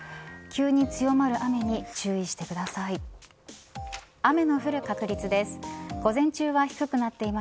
急に強まる雨に注意してください。